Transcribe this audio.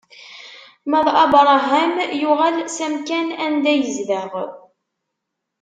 Ma d Abṛaham yuɣal s amkan anda yezdeɣ.